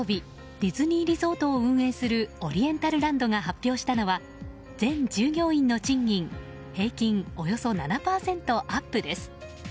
ディズニーリゾートを運営するオリエンタルランドが発表したのは、全従業員の賃金平均およそ７％アップです。